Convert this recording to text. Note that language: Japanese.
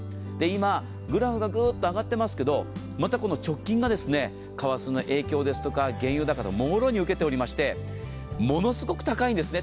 今、グラフがグーッと上がっていますが、直近がまた為替の影響ですとか原油高をもろに影響受けていましてものすごく高いんですね。